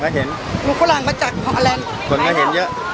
อาฉันสงสริป